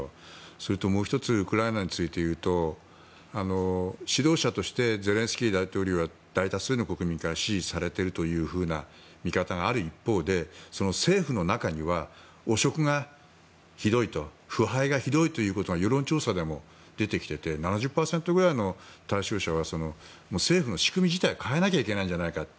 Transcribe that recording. それともう１つウクライナについて言うと指導者としてゼレンスキー大統領は大多数の国民から支持されているという見方がある一方で政府の中には汚職がひどいと腐敗がひどいということが世論調査でも出てきていて７０％ぐらいの対象者は政府の仕組み自体を変えなきゃいけないんじゃないかと。